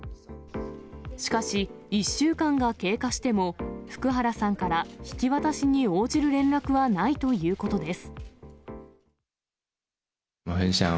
しかし、１週間が経過しても、福原さんから引き渡しに応じる連絡はないということです。